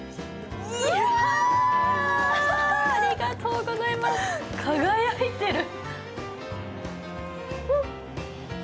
いやぁ、ありがとうございます、輝いてる。